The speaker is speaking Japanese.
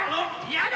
嫌だ！